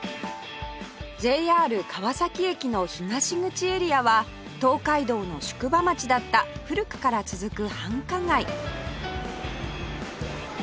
ＪＲ 川崎駅の東口エリアは東海道の宿場町だった古くから続く繁華街